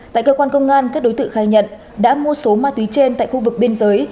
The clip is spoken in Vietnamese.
tại cơ quan công an các đối tượng khai nhận đã mua số ma túy trên tại khu vực biên giới